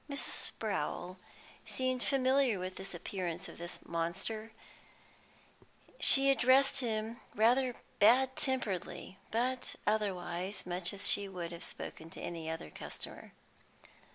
Mrs. Sprowl seemed familiar with the appearance of this monster; she addressed him rather bad temperedly, but otherwise much as she would have spoken to any other customer.